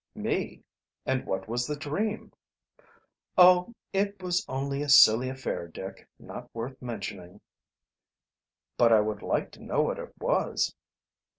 "Me? And what was the dream?" "Oh it was only a silly affair, Dick, not worth mentioning." "But I would like to know what it was."